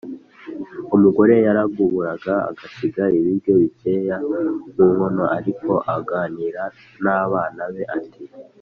umugore yaragaburaga agasiga ibiryo bikeya mu nkono, ariko aganira n ;abana be ati :